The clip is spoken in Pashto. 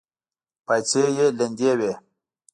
پايڅې يې لندې وې.